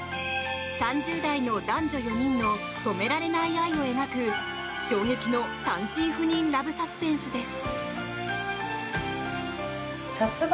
３０代の男女４人の止められない愛を描く衝撃の単身赴任ラブサスペンスです。